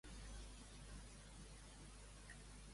VI a Heracles de Perint?